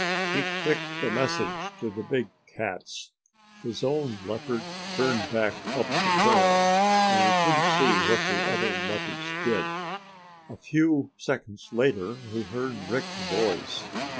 He clicked the message to the big cats. His own leopard turned back up the trail, and he couldn't see what the other leopards did. A few seconds later he heard Rick's voice.